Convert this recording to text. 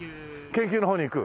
研究の方にいく。